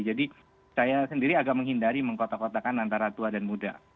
jadi saya sendiri agak menghindari mengkotak kotakan antara tua dan muda